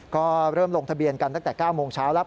ก็เริ่มลงทะเบียนกันตั้งแต่๙โมงเช้าแล้ว